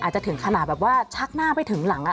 ถึงขนาดแบบว่าชักหน้าไปถึงหลัง